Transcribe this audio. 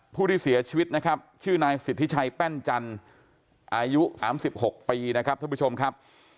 ผู้ที่เสียชีวิตนะครับชื่อนายสิทธิชัยแป้นจันทร์อายุ๓๖ปีนะครับท่านผู้ชมครับ